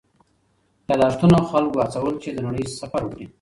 یادښتونه خلکو هڅول چې د نړۍ سفر وکړي.